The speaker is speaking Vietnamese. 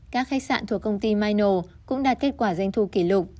các khách sạn thuộc công ty maino cũng đạt kết quả danh thu kỷ lục